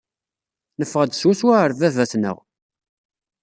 Neffeɣ-d swaswa ɣer baba-tneɣ.